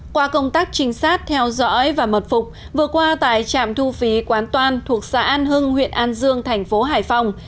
qua công tác trinh sát theo dõi và mật phục vừa qua tại trạm thu phí quán toan thuộc xã an hưng huyện an dương thành phố hải phòng